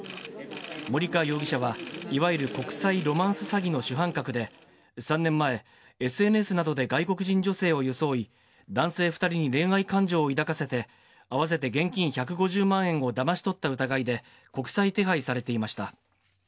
森川容疑者はいわゆる国際ロマンス詐欺の主犯格で、３年前、ＳＮＳなどで外国人女性を装い、男性２人に恋愛感情を抱かせて、合わせて現金１５０万円をだまし取った疑いで、国際手配されていました。